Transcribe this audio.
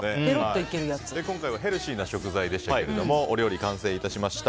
今回はヘルシーな食材でしたがお料理完成いたしました。